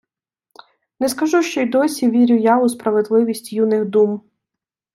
Не скажу, що й досі вірю я у справедливість юних дум